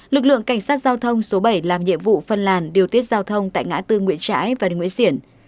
lực lượng cảnh sát giao thông số bảy làm nhiệm vụ phân làn điều tiết giao thông tại ngã tư nguyễn trãi và đường nguyễn xiển